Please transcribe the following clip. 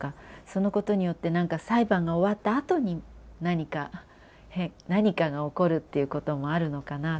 そのことによって何か裁判が終わったあとに何か何かが起こるっていうこともあるのかな。